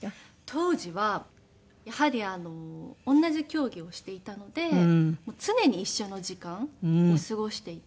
当時はやはり同じ競技をしていたので常に一緒の時間を過ごしていて。